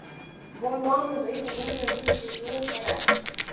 Vom lua amândoi cuvântul în timpul sesiunii plenare.